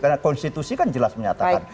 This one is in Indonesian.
karena konstitusi kan jelas menyatakan